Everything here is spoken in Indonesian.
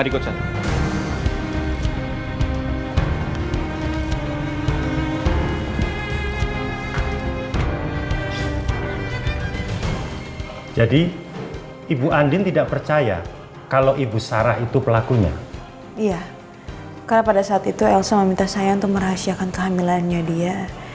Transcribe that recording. karena pada saat itu elsa meminta saya untuk merahasiakan kehamilannya dia